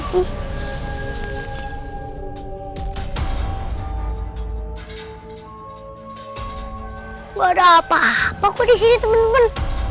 hai berapa aku disini temen temen